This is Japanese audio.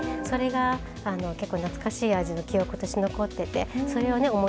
それが結構懐かしい味の記憶として残っててそれをね